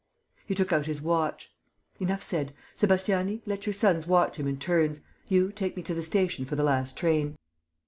He took out his watch. "Enough said! Sébastiani, let your sons watch him in turns. You, take me to the station for the last train."